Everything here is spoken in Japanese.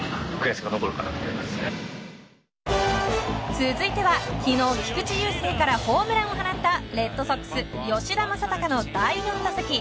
続いては昨日、菊池雄星からホームランを放ったレッドソックス吉田正尚の第４打席。